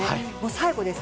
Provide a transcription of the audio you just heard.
最後です。